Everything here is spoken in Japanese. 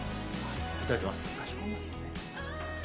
いただきます。